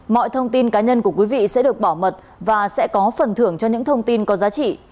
mọi thông tin cá nhân của quý vị sẽ được bảo mật và sẽ có phần thưởng cho những thông tin có giá trị